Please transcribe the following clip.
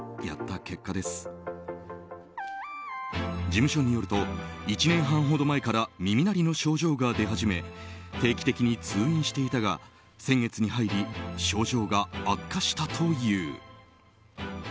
事務所によると１年半ほど前から耳鳴りの症状が出始め定期的に通院していたが先月に入り症状が悪化したという。